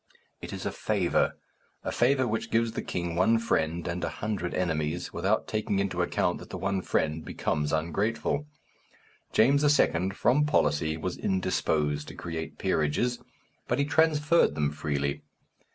It is a favour; a favour which gives the king one friend and a hundred enemies, without taking into account that the one friend becomes ungrateful. James II., from policy, was indisposed to create peerages, but he transferred them freely.